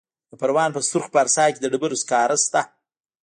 د پروان په سرخ پارسا کې د ډبرو سکاره شته.